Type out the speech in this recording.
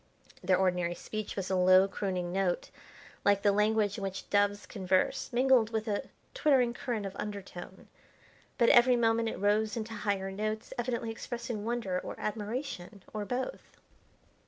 Their ordinary speech was a low crooning note, like the language in which doves converse, mingled with a twittering current of undertone. But every moment it rose into higher notes, evidently expressing wonder or admiration, or both.